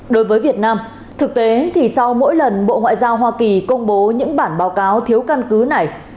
đối với việt nam thực tế thì sau mỗi lần bộ ngoại giao hoa kỳ công bố những bản báo cáo thiếu căn cứ này